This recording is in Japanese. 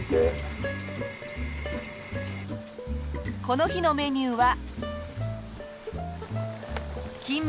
この日のメニューは。